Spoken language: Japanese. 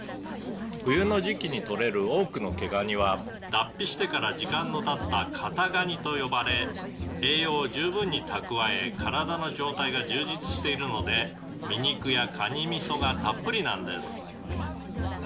「冬の時期にとれる多くの毛ガニは脱皮してから時間の経った堅ガニと呼ばれ栄養を十分に蓄え体の状態が充実しているので身肉やカニミソがたっぷりなんです」